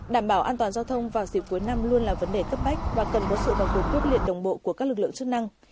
đảm bảo an toàn giao thông vào dịp cuối năm luôn là vấn đề cấp bách và cần có sự vào cuộc quyết liệt đồng bộ của các lực lượng chức năng